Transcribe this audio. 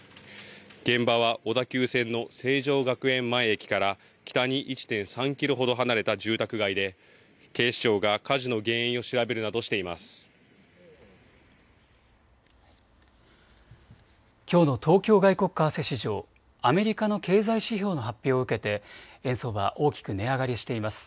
現場は小田急線の成城学園前駅から北に１．３キロほど離れた住宅街で警視庁が火事の原因を調べるなどしています。